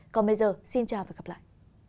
còn bây giờ xin chào và gặp lại